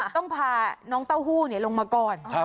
ต้องพาน้องเต้าหู้ลงมาก่อน